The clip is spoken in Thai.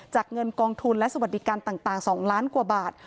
เงินกองทุนและสวัสดิการต่าง๒ล้านกว่าบาท